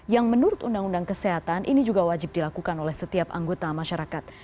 yang menurut undang undang kesehatan ini juga wajib dilakukan oleh setiap anggota masyarakat